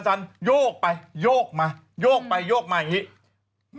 โยกไปโยกมาโยกไปโยกมาอย่างนี้